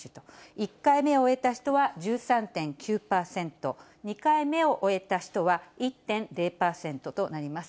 １回目を終えた人は１３．９％、２回目を終えた人は１．０％となります。